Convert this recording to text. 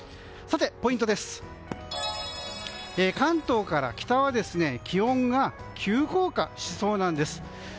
ポイント、関東から北は気温が急降下しそうなんです。